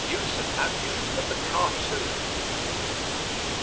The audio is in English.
USE AND ABUSE OF THE CARTOON.